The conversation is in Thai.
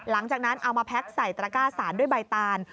หลังจากนั้นเอามาแพ็คใส่ตระก้าสารด้วยใบตาล